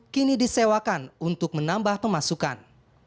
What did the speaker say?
kini disewakan untuk menambah pemasukan